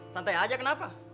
santai aja kenapa